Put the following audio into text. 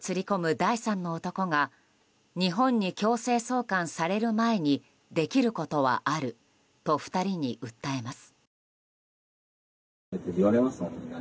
第三の男が日本に強制送還される前にできることはあると２人に訴えます。